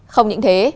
không những thế